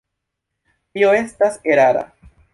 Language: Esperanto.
Tio estas erara.